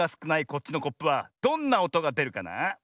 こっちのコップはどんなおとがでるかな？